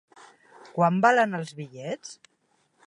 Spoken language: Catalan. Quant valen els bitllets?